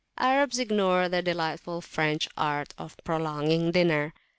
Arabs ignore the delightful French art of prolonging a dinner.